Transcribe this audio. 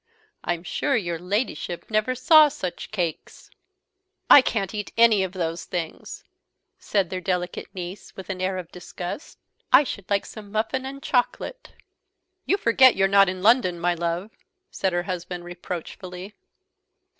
I'm sure your Ladyship never saw such cakes." "I can't eat any of those things," said their delicate niece, with an air of disgust. "I should like some muffin and chocolate." "You forget you are not in London, my love," said her husband reproachfully.